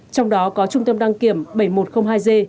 trong đó có trung tâm đăng kiểm bảy nghìn một trăm linh hai g